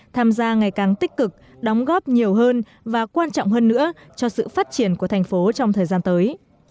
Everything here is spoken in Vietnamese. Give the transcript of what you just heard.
tham gia ngày càng tích cực đóng góp nhiều hơn và quan trọng hơn nữa cho sự phát triển của thành phố trong thời gian tới